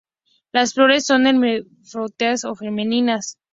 Las flores son hermafroditas o femeninas.